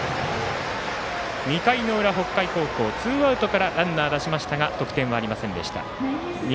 ２回の裏、北海高校ツーアウトからランナー出しましたが得点はありませんでした。